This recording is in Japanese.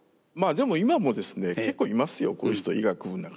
でも今もですね結構いますよこういう人医学部の中に。